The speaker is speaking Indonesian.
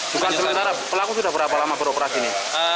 bukan sementara pelaku sudah berapa lama beroperasi ini